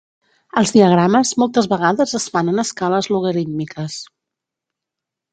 Els diagrames moltes vegades es fan en escales logarítmiques.